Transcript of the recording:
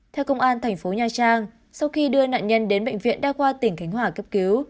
theo công an thành phố nha trang sau khi đưa nạn nhân đến bệnh viện đa khoa tỉnh khánh hòa cấp cứu